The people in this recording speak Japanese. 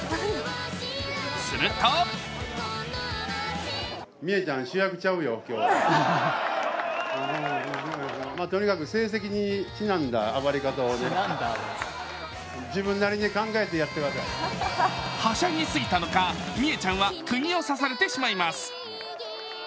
するとはしゃぎすぎたのか、ミエちゃんはくぎを刺されてしまいます。